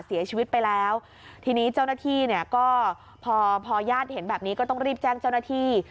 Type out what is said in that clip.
เสียชีวิตไปแล้วทีนี้เจ้าหน้าที่เนี่ยก็พอพอญาติเห็นแบบนี้ก็ต้องรีบแจ้งเจ้าหน้าที่